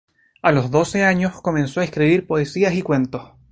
A los doce años, comenzó a escribir poesías y cuentos.